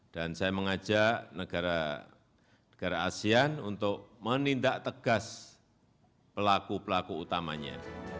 dan saya mengajak negara negara asean untuk menindak tegas pelaku pelaku utamanya